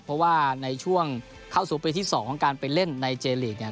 เพราะว่าในช่วงเข้าสู่ปีที่๒ของการไปเล่นในเจลีกเนี่ย